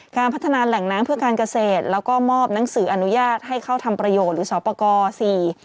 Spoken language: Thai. การพัฒนาแหล่งน้ำเพื่อการเกษตรแล้วก็มอบหนังสืออนุญาตให้เข้าทำประโยชน์หรือสอบประกอบสี่